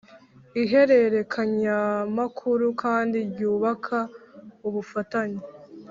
ihererekanyamakuru kandi rwubaka ubufatanye.